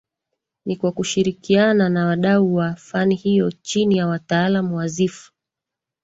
Ni kwa kushirikiana na wadau wa fani hiyo chini ya wataalam wa Ziff